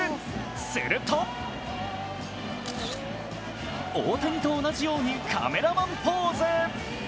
すると大谷と同じようにカメラマンポーズ。